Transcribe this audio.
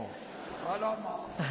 あらま。